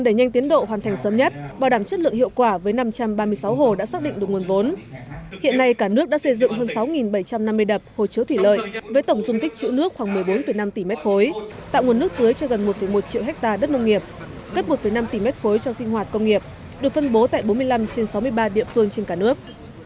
để nhanh tiến độ hoàn thành sớm nhất bảo đảm chất lượng hiệu quả với năm trăm ba mươi sáu hồ đã xác định được nguồn vốn hiện nay cả nước đã xây dựng hơn sáu bảy trăm năm mươi đập hồ chứa thủy lợi với tổng dung tích chữ nước khoảng một mươi bốn năm tỷ m ba tạo nguồn nước tưới cho gần một một triệu hectare đất nông nghiệp cất một năm tỷ m ba cho sinh hoạt công nghiệp được phân bố tại bốn mươi năm trên sáu mươi ba địa phương trên cả nước